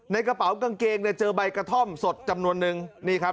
ในกระเป๋ากางเกงเนี่ยเจอใบกระท่อมสดจำนวนนึงนี่ครับ